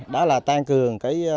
đó là tăng cường